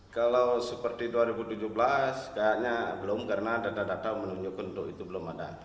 kalau seperti dua ribu tujuh belas kayaknya belum karena data data menunjukkan untuk itu belum ada